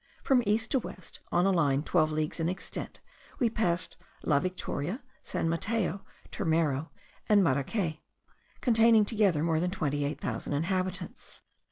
From east to west, on a line of twelve leagues in extent, we passed La Victoria, San Mateo, Turmero, and Maracay, containing together more than 28, 000 inhabitants.